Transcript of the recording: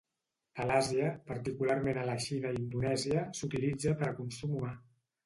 A l’Àsia, particularment a la Xina i Indonèsia, s’utilitza per a consum humà.